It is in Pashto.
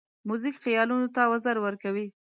موزیک خیالونو ته وزر ورکوي.